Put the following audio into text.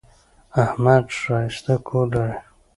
احمد ښایسته کور لري.